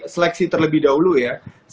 seleksi terlebih dahulu ya